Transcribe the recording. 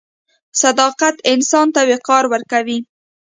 • صداقت انسان ته وقار ورکوي.